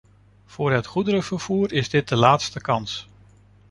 Voor het goederenvervoer is dit de laatste kans.